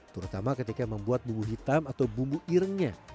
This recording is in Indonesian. terutama ketika membuat bumbu hitam atau bumbu irengnya